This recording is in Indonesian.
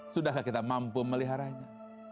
sudahkah kita mampu meliharanya